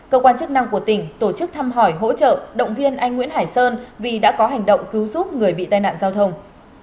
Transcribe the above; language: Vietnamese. cơ quan chức năng của tỉnh tổ chức thăm hỏi hỗ trợ động viên anh nguyễn hải sơn vì đã có hành động cứu giúp người bị tai nạn giao thông